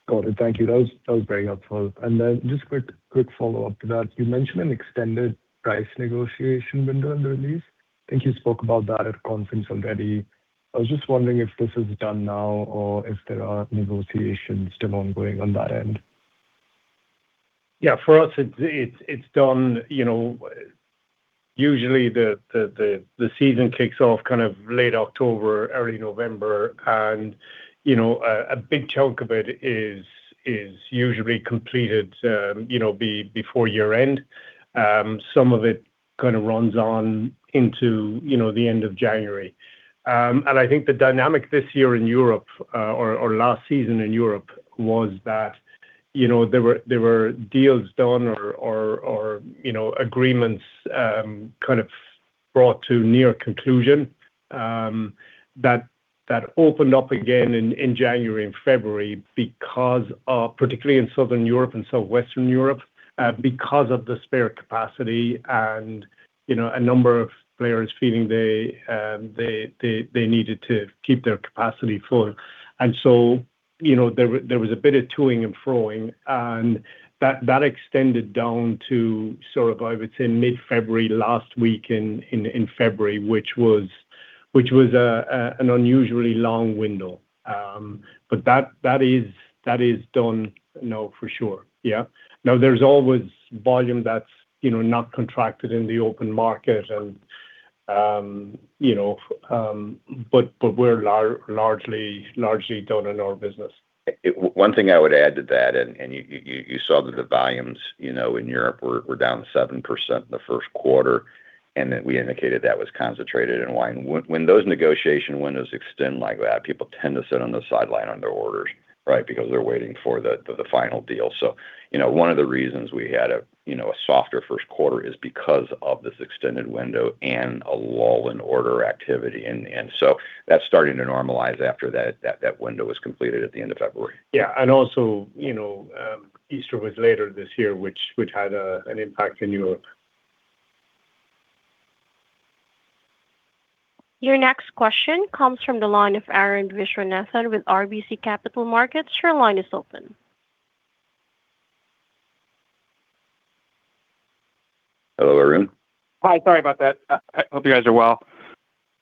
Got it. Thank you. That was very helpful. Just quick follow-up to that. You mentioned an extended price negotiation window in the release. I think you spoke about that at conference already. I was just wondering if this is done now or if there are negotiations still ongoing on that end. Yeah. For us, it's done, you know. Usually the season kicks off kind of late October, early November, and, you know, a big chunk of it is usually completed, you know, before year-end. Some of it kind of runs on into, you know, the end of January. I think the dynamic this year in Europe, or last season in Europe was that, you know, there were deals done or, you know, agreements kind of brought to near conclusion that opened up again in January and February because of, particularly in Southern Europe and Southwestern Europe, because of the spare capacity and, you know, a number of players feeling they needed to keep their capacity full. You know, there was a bit of to-ing and fro-ing, and that extended down to sort of, I would say mid-February, last week in February, which was an unusually long window. That is done, you know, for sure. Yeah. Now there's always volume that's, you know, not contracted in the open market and, you know, but we're largely done in our business. One thing I would add to that, and you saw that the volumes, you know, in Europe were down 7% in the first quarter, and that we indicated that was concentrated in wine. When those negotiation windows extend like that, people tend to sit on the sideline on their orders, right? They're waiting for the final deal. You know, one of the reasons we had a, you know, a softer first quarter is because of this extended window and a lull in order activity. That's starting to normalize after that window was completed at the end of February. Yeah. Also, you know, Easter was later this year, which had an impact in Europe. Your next question comes from the line of Arun Viswanathan with RBC Capital Markets. Your line is open. Hello, Arun. Hi. Sorry about that. I hope you guys are well.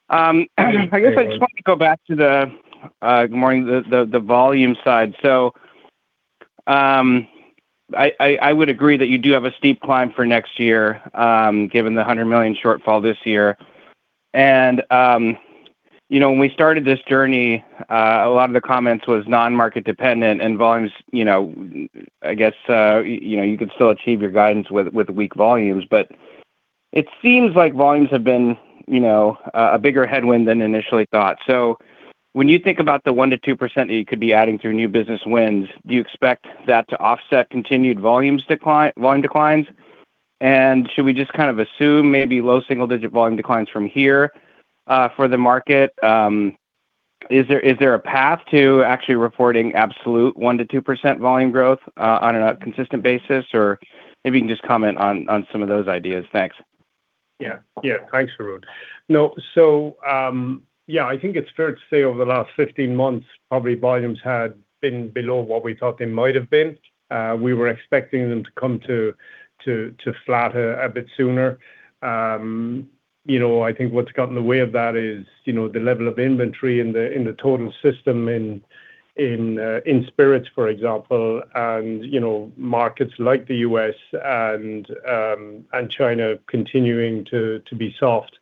Hi, Arun. I guess I just wanted to go back to the morning, the volume side. I would agree that you do have a steep climb for next year, given the $100 million shortfall this year. You know, when we started this journey, a lot of the comments was non-market dependent and volumes, you know, I guess, you know, you could still achieve your guidance with weak volumes. It seems like volumes have been, you know, a bigger headwind than initially thought. When you think about the 1%-2% that you could be adding through new business wins, do you expect that to offset continued volume declines? Should we just kind of assume maybe low single digit volume declines from here for the market? Is there a path to actually reporting absolute 1%-2% volume growth on a consistent basis? Maybe you can just comment on some of those ideas. Thanks. Yeah. Yeah. Thanks, Arun. No. I think it's fair to say over the last 15 months, probably volumes had been below what we thought they might have been. We were expecting them to come to flatter a bit sooner. I think what's got in the way of that is, you know, the level of inventory in the total system in spirits, for example, and, you know, markets like the U.S. and China continuing to be soft.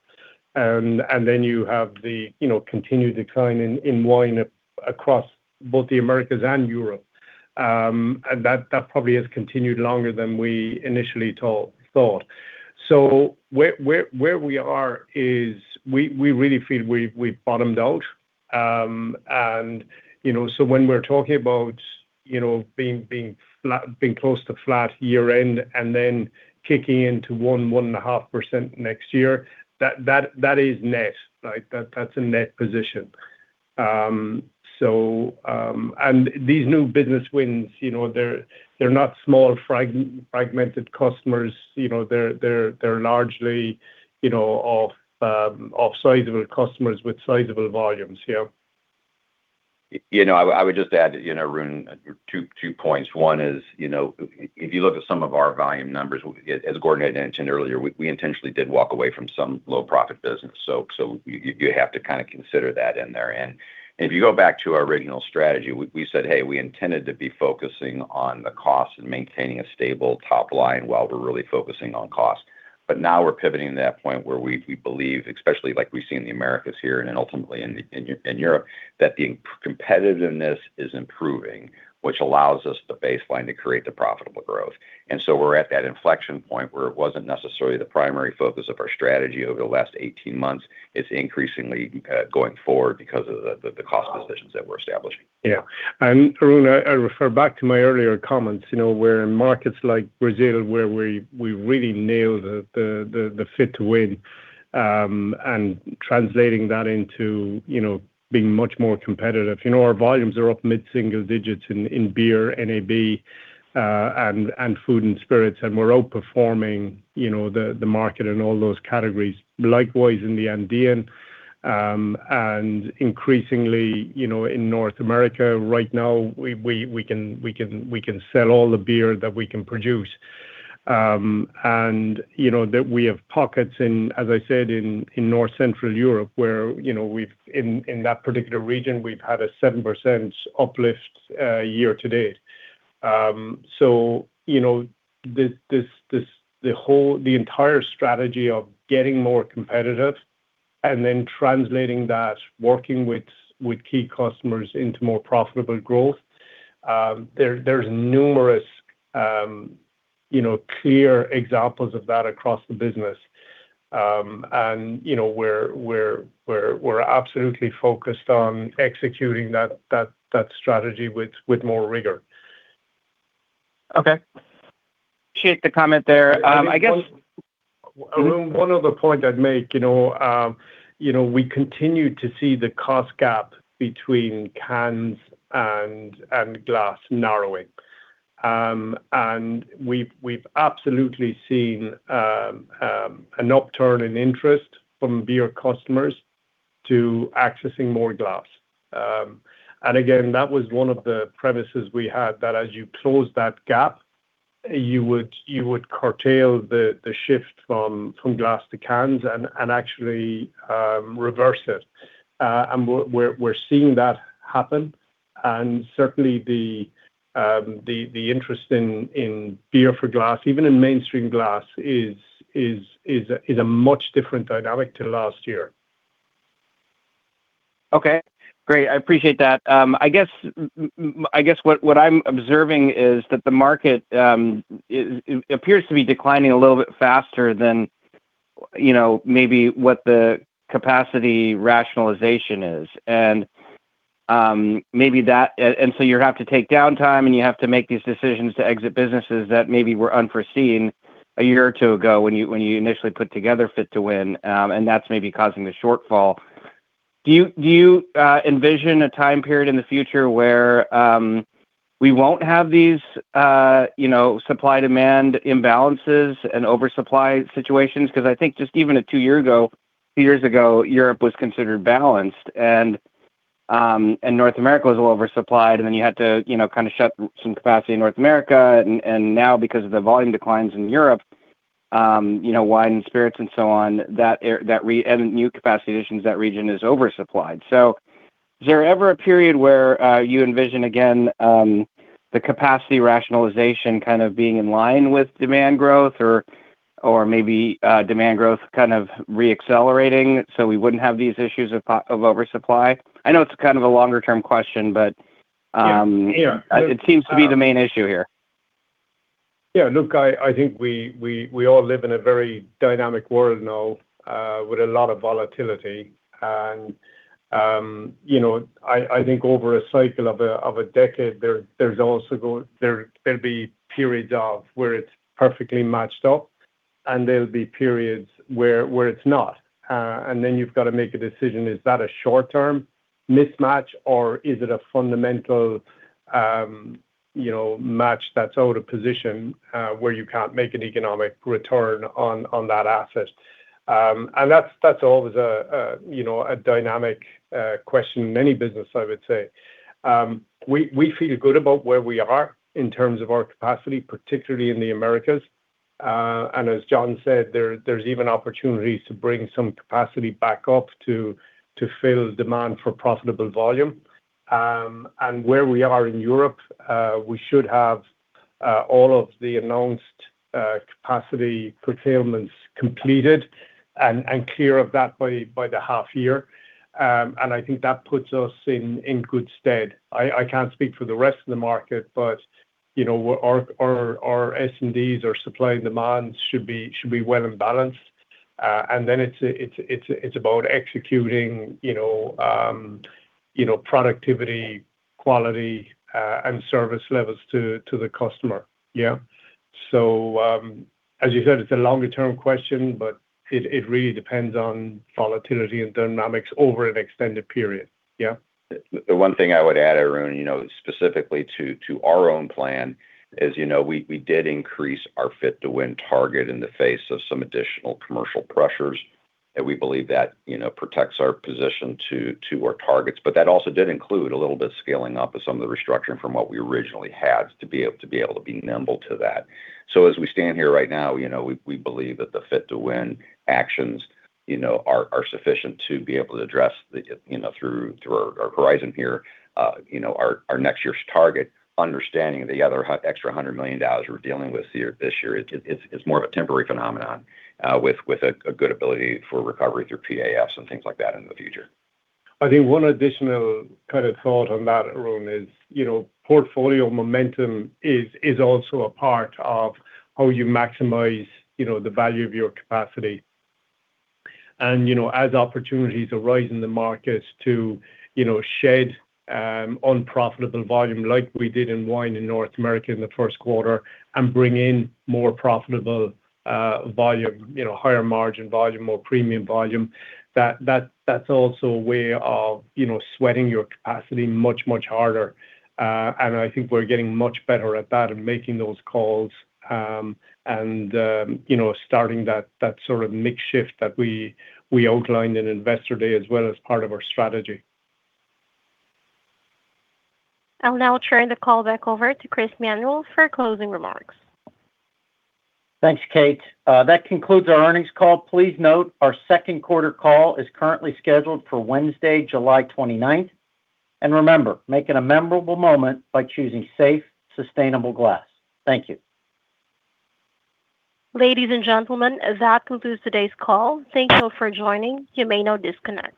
You have the, you know, continued decline in wine across both the Americas and Europe. That probably has continued longer than we initially thought. Where we are is we really feel we've bottomed out. You know, when we're talking about, you know, being close to flat year-end and then kicking into 1.5% next year, that is net. Like, that's a net position. These new business wins, you know, they're not small fragmented customers. You know, they're largely, you know, off sizable customers with sizable volumes. Yeah. You know, I would just add, you know, Arun, two points. One is, you know, if you look at some of our volume numbers, as Gordon had mentioned earlier, we intentionally did walk away from some low profit business. So you have to kind of consider that in there. If you go back to our original strategy, we said, hey, we intended to be focusing on the cost and maintaining a stable top line while we're really focusing on cost. Now we're pivoting to that point where we believe, especially like we see in the Americas here and then ultimately in Europe, that the competitiveness is improving, which allows us the baseline to create the profitable growth. So we're at that inflection point where it wasn't necessarily the primary focus of our strategy over the last 18 months. It's increasingly going forward because of the, the cost positions that we're establishing. Yeah. Arun, I refer back to my earlier comments, you know, where in markets like Brazil, where we really nail the Fit to Win, and translating that into, you know, being much more competitive. You know, our volumes are up mid-single digits in beer, NAB, and food and spirits, and we're outperforming, you know, the market in all those categories. Likewise in the Andean, and increasingly, you know, in North America right now, we can sell all the beer that we can produce. You know, that we have pockets in, as I said, in North Central Europe, where, you know, in that particular region, we've had a 7% uplift year-to-date. You know, this, the whole, the entire strategy of getting more competitive and then translating that, working with key customers into more profitable growth, there's numerous, you know, clear examples of that across the business. You know, we're absolutely focused on executing that strategy with more rigor. Okay. Appreciate the comment there. Arun, one other point I'd make, you know, we continue to see the cost gap between cans and glass narrowing. We've absolutely seen an upturn in interest from beer customers to accessing more glass. Again, that was one of the premises we had, that as you close that gap, you would curtail the shift from glass to cans and actually reverse it. We're seeing that happen. Certainly the interest in beer for glass, even in mainstream glass is a much different dynamic to last year. Okay, great. I appreciate that. I guess what I'm observing is that the market, it appears to be declining a little bit faster than, you know, maybe what the capacity rationalization is. Maybe that. So you have to take downtime, and you have to make these decisions to exit businesses that maybe were unforeseen a year or two years ago when you initially put together Fit to Win. That's maybe causing the shortfall. Do you envision a time period in the future where we won't have these, you know, Supply and Demand imbalances and oversupply situations? I think just even a few years ago, Europe was considered balanced. North America was a little oversupplied, you had to shut some capacity in North America. Now because of the volume declines in Europe, wine and spirits and so on, and new capacity additions, that region is oversupplied. Is there ever a period where you envision again the capacity rationalization being in line with demand growth or maybe demand growth re-accelerating so we wouldn't have these issues of oversupply? I know it's a longer term question, but. Yeah. It seems to be the main issue here. Yeah, look, I think we all live in a very dynamic world now, with a lot of volatility. You know, I think over a cycle of a decade, there'll be periods of where it's perfectly matched up, and there'll be periods where it's not. You've got to make a decision, is that a short term mismatch or is it a fundamental, you know, match that's out of position, where you can't make an economic return on that asset? That's always a, you know, a dynamic question in any business, I would say. We feel good about where we are in terms of our capacity, particularly in the Americas. As John said, there's even opportunities to bring some capacity back up to fill demand for profitable volume. Where we are in Europe, we should have all of the announced capacity procurements completed and clear of that by the half year. I think that puts us in good stead. I can't speak for the rest of the market, but, you know, our S&Ds, our supply and demands should be well and balanced. Then it's about executing, you know, productivity, quality, and service levels to the customer. Yeah. As you said, it's a longer term question, but it really depends on volatility and dynamics over an extended period. Yeah. The one thing I would add, Arun, you know, specifically to our own plan is, you know, we did increase our Fit to Win target in the face of some additional commercial pressures. We believe that, you know, protects our position to our targets. That also did include a little bit of scaling up of some of the restructuring from what we originally had to be able to be nimble to that. As we stand here right now, you know, we believe that the Fit to Win actions, you know, are sufficient to be able to address the, you know, through our horizon here, you know, our next year's target, understanding the other extra $100 million we're dealing with here this year is more of a temporary phenomenon, with a good ability for recovery through PAFs and things like that in the future. I think one additional kind of thought on that, Arun, is, you know, portfolio momentum is also a part of how you maximize, you know, the value of your capacity. You know, as opportunities arise in the markets to, you know, shed unprofitable volume like we did in wine in North America in the first quarter and bring in more profitable volume, you know, higher margin volume, more premium volume, that's also a way of, you know, sweating your capacity much harder. I think we're getting much better at that and making those calls, you know, starting that sort of mix shift that we outlined in Investor Day as well as part of our strategy. I'll now turn the call back over to Chris Manuel for closing remarks. Thanks, Kate. That concludes our earnings call. Please note our second quarter call is currently scheduled for Wednesday, July 29th. Remember, make it a memorable moment by choosing safe, sustainable glass. Thank you. Ladies and gentlemen, that concludes today's call. Thank you for joining. You may now disconnect.